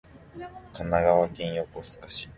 神奈川県横須賀市